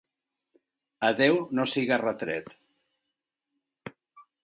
A Déu no siga retret.